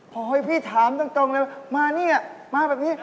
พอพี่ถามตรงเลยมานี่มาแบบนี้